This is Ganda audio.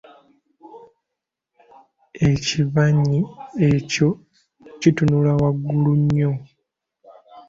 Ekibanyi ekyo kitunula waggulu nnyo.